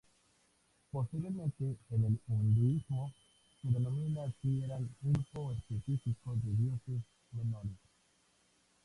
Posteriormente, en el hinduismo, se denominó así eran un grupo específico de dioses menores.